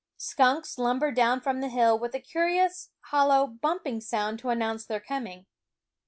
Skunks lumbered down from the hill, with a curious, hollow, bumping sound to announce their coming.